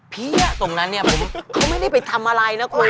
ตรงนั้นเนี่ยเขาไม่ได้ไปทำอะไรนะคุณ